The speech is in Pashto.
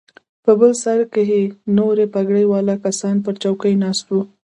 په بل سر کښې نور پګړۍ والا کسان پر چوکيو ناست وو.